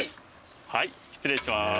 はい失礼します。